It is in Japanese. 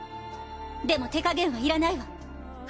でも手加減はいらないわ。